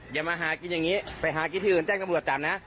อย่ามาหากินอย่างนี้ไปหากินที่อื่นแจ้งตำรวจจับนะ